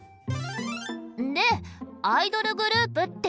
でアイドルグループっていうのは？